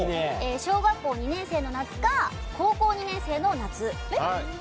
小学校２年生の夏か高校２年生の夏。